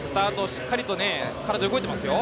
しっかりと体動いてますよ。